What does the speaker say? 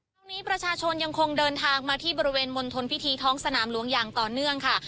ช่วงนี้ประชาชนยังคงเดินทางมาที่บริเวณมณฑลพิธีท้องสนามหลวงอย่างต่อเนื่องค่ะ